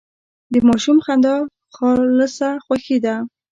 د ماشوم خندا خالصه خوښي ده.